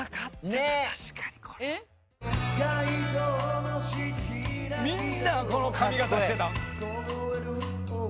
みんなこの髪形してた。